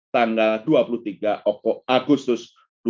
tanggal dua puluh tiga agustus dua ribu dua puluh